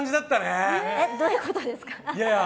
え、どういうことですか？